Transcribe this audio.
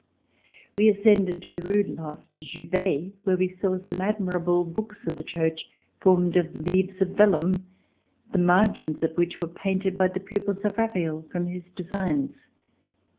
We ascended to the rood loft (juhf), where we saw some admirable books of the Church, formed of leaves of vellum, the margins of which were painted by the pupils of Raphael from his designs.